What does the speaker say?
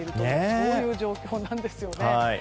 そういう状況なんですよね。